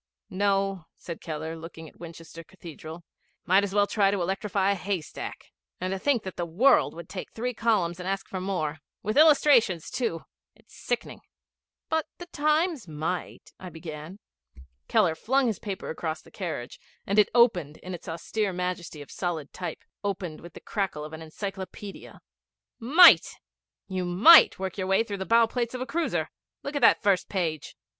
'No,' said Keller, looking at Winchester Cathedral. ''Might as well try to electrify a haystack. And to think that the World would take three columns and ask for more with illustrations too! It's sickening.' 'But the Times might,' I began. Keller flung his paper across the carriage, and it opened in its austere majesty of solid type opened with the crackle of an encyclopædia. 'Might! You might work your way through the bow plates of a cruiser. Look at that first page!'